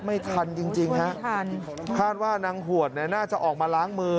ไม่ทันจริงจริงฮะคาดว่านางหวดเนี่ยน่าจะออกมาล้างมือ